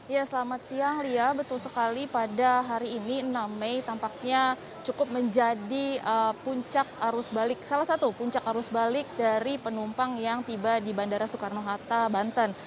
ya selamat siang lia betul sekali pada hari ini enam mei tampaknya cukup menjadi puncak arus balik salah satu puncak arus balik dari penumpang yang tiba di bandara soekarno hatta banten